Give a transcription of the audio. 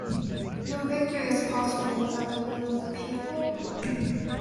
No victory is possible without the will of the people.